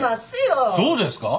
そうですか？